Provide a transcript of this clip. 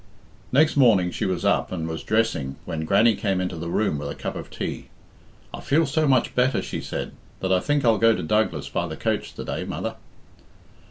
Next morning she was up and was dressing when Grannie came into the room with a cup of tea. "I feel so much better," she said "that I think I'll go to Douglas by the coach today, mother."